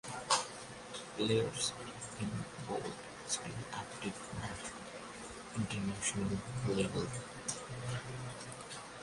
Players in bold still active at international level.